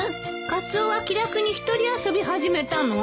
カツオは気楽に一人遊び始めたの？